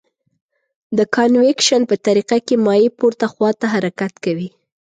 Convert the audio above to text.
د کانویکشن په طریقه کې مایع پورته خواته حرکت کوي.